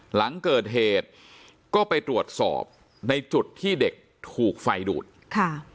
หลังเกิดเหตุก็ไปตรวจสอบในจุดที่เด็กถูกไฟดูดค่ะ